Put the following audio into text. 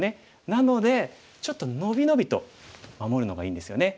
なのでちょっと伸び伸びと守るのがいいんですよね。